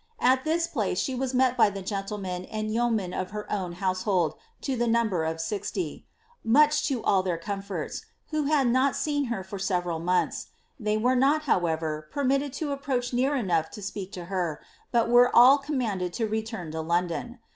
At this place she was met by the gentlemen and yeomen of her own household, to the number of mxt\\ ^ much to all their comforts," who had not seen her for several QKMiths ; they were not, however, permitted to approach near enough to ipfak to her, but were all commanded to return to London.